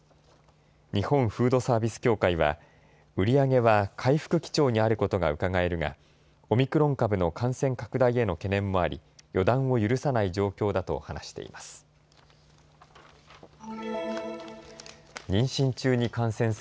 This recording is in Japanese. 日本フードサービス協会は売り上げは回復基調にあることがうかがえるがオミクロン株の感染拡大への懸念もあり予断を許さない状況だと話しています。